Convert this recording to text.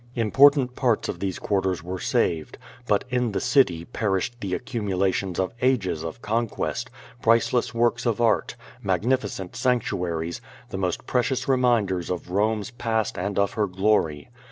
Important parts of these quarters were saved. But in the city perished the accumulations of ages of conquest, priceless works of art^ mag 340 QUO YADIS. nificent sanctuaries, the most precious reminders of Rome's past and of her glory.